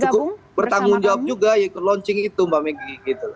ya ikut launching cukup bertanggung jawab juga ikut launching itu mbak megi